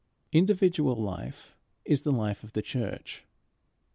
Individual life is the life of the church.